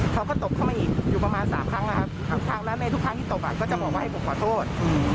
เขาก็ตบเข้ามาอีกอยู่ประมาณ๓ครั้งนะครับครั้งนั้นในทุกครั้งที่ตบก็จะบอกว่าให้ผมขอโทษ